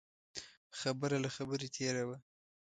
خبره له خبرې تېره وه.